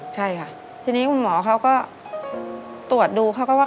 ใช่ค่ะทีนี้คุณหมอเขาก็ตรวจดูเขาก็ว่า